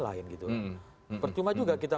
lain gitu percuma juga kita